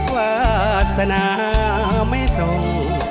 วาสนาไม่ส่ง